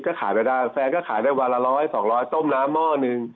ก็ขายไปได้แฟนก็ขายได้วันละร้อยสองร้อยต้มน้ำหม้อหนึ่ง